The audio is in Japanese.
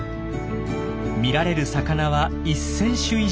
見られる魚は１，０００種以上。